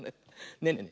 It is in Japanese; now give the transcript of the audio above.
ねえねえ